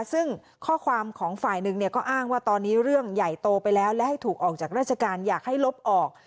ซึ่งข้อความของฝ่ายหนึ่งเนี่ยก็อ้างว่าตอนนี้เรื่องใหญ่โตไปแล้วและให้ถูกออกจากราชการอยากให้ลบออก